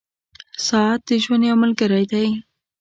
• ساعت د ژوند یو ملګری دی.